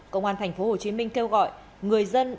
công an tp hcm kêu gọi người dân